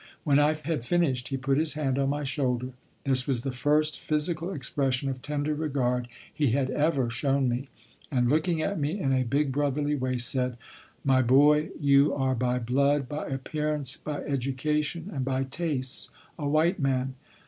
When I had finished he put his hand on my shoulder this was the first physical expression of tender regard he had ever shown me and looking at me in a big brotherly way, said: "My boy, you are by blood, by appearance, by education, and by tastes a white man.